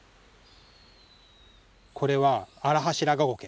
これはアラハシラガゴケ。